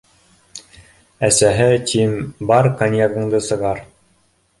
- Әсәһе, тим, бар коньягыңды сығар